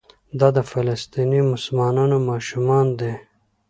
دا د فلسطیني مسلمانانو ماشومان دي.